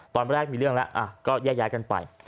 ตอนแรกมีเรื่องแล้วก็แยกย้ายกันไป